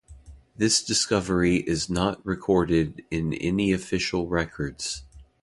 This discovery is not recorded in any official records.